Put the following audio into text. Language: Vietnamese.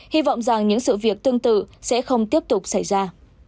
hy vọng rằng những sự việc tương tự sẽ không tiếp tục xảy ra